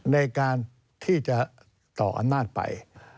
ในการที่จะต่ออำนาจไป